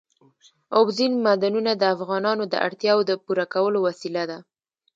اوبزین معدنونه د افغانانو د اړتیاوو د پوره کولو وسیله ده.